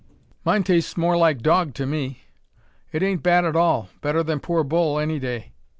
"Mine tastes more like dog to me." "It ain't bad at all; better than poor bull any day."